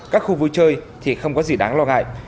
các khu vui chơi thì không có gì đáng lo ngại